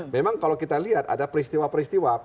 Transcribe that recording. memang kalau kita lihat ada peristiwa peristiwa